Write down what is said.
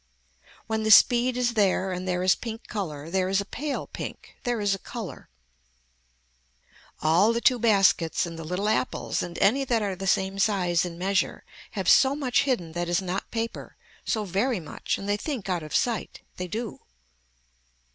When the speed is there and there is pink color there is a pale pink, there is a color. All the two baskets and the little apples and any that are the same size in measure have so much hidden that is not paper so very much and they think out of sight. They do.